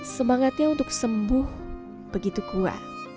semangatnya untuk sembuh begitu kuat